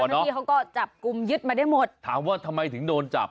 ที่เขาก็จับกลุ่มยึดมาได้หมดถามว่าทำไมถึงโดนจับ